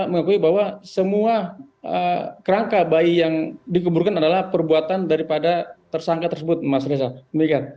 mengakui bahwa semua kerangka bayi yang dikuburkan adalah perbuatan daripada tersangka tersebut mas reza